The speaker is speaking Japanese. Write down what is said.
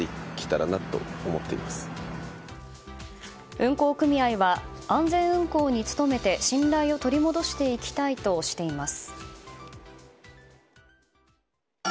運航組合は、安全運航に努めて信頼を取り戻していきたいとしています。